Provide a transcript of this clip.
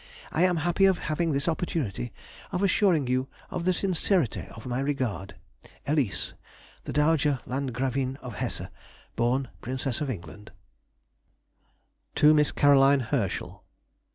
I am happy of having this opportunity of assuring you of the sincerity of my regard. ELISE, The Dowager Landgravine of Hesse, born Princess of England. TO MISS CAROLINE HERSCHEL.